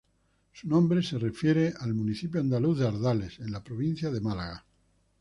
Su nombre se refiere al municipio andaluz de Ardales, en la provincia de Málaga.